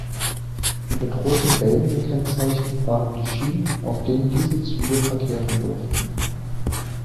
Mit roten Bällen gekennzeichnet waren die Schienen, auf denen diese Züge verkehren durften.